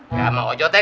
ya sama ojo teh